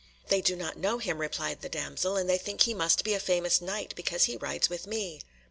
"They do not know him," replied the damsel, "and they think he must be a famous Knight because he rides with me."